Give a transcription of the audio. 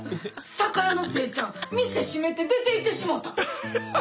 酒屋のせいちゃん店閉めて出ていってしもうた！